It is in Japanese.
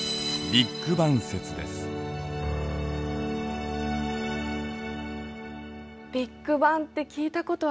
ビッグバンって聞いたことある。